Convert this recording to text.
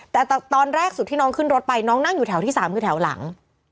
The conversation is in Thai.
แต่ตอนแรกสุดที่น้องขึ้นรถไปน้องนั่งอยู่แถวที่๓คือแถวหลัง